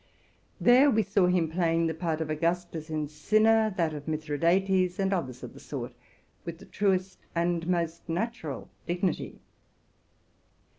There we saw him play the part of Augustus in '' Cinna,'' that of Mithridates, and others of the sort, with the truest and most natural dig nity.